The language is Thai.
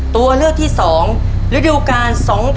ตัวเลือกที่๒ฤดูกาล๒๕๖๒